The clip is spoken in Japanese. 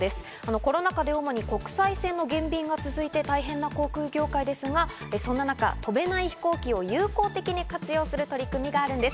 コロナ禍で主に国際線の減便が続いて大変な航空業界ですが、そんな中、飛べない飛行機を有効的に活用する取り組みがあるんです。